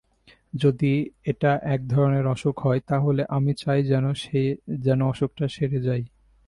যদি এটা এক ধরনের অসুখ হয়, তাহলে আমি চাই যেন অসুখটা সেরে যায়।